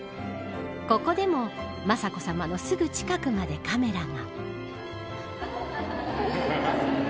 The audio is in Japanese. ここでも、雅子さまのすぐ近くまでカメラが。